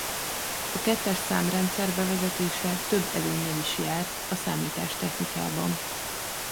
A kettes számrendszer bevezetése több előnnyel is járt a számítástechnikában.